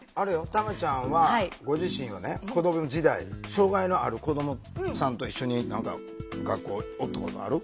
たまちゃんはご自身はね子ども時代障害のある子どもさんと一緒に何か学校おったことある？